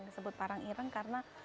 disebut parang irang karena